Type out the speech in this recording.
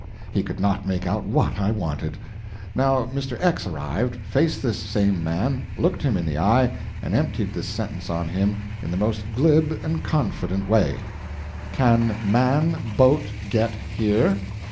He could not make out what I wanted. Now Mr. X arrived, faced this same man, looked him in the eye, and emptied this sentence on him, in the most glib and confident way: "Can man boat get here?"